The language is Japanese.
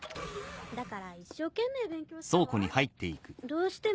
だから一生懸命勉強したわ。